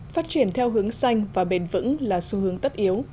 phát triển theo hướng xanh và bền vững là xu hướng tất yếu